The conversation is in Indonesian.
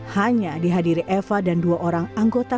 hanya dihadiri eva dan dua orang anggota